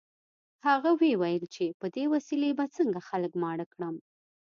هغه ویې ویل چې په دې وسیلې به څنګه خلک ماړه کړم